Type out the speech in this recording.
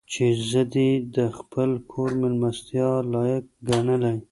چې زه دې د خپل کور مېلمستیا لایق ګڼلی.